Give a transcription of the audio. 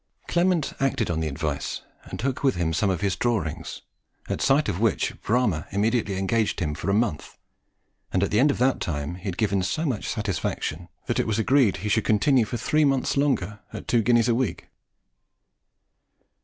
Clement acted on the advice, and took with him some of his drawings, at sight of which Bramah immediately engaged him for a month; and at the end of that time he had given so much satisfaction, that it was agreed he should continue for three months longer at two guineas a week.